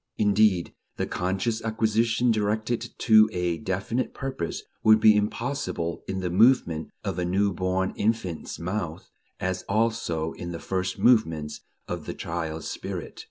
Indeed, the conscious acquisition directed to a definite purpose would be impossible in the movements of a new born infant's mouth, as also in the first movements of the child's spirit.